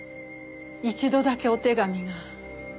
一度だけお手紙が。